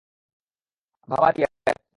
ভাবার কী আছে?